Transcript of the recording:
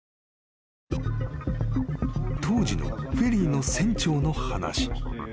［当時のフェリーの船長の話］